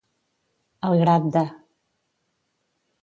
Al grat de.